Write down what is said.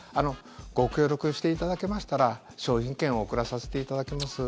ご協力していただけましたら商品券を贈らせていただきます。